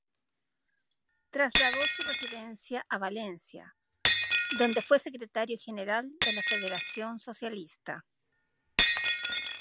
Trasladó su residencia a Valencia, donde fue Secretario general de la Federación Socialista.